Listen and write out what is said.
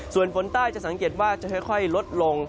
ส่วนฝนใต้จะสังเกตว่าจะค่อยลดลง